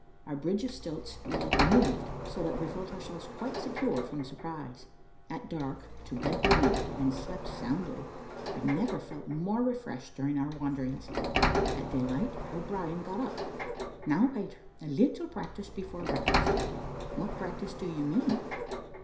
Our bridge of stilts we had removed, so that we felt ourselves quite secure from surprise. At dark, to bed we went, and slept soundly; I never felt more refreshed during our wanderings. At daylight O'Brien got up. "Now, Peter, a little practice before breakfast." "What practice do you mean?"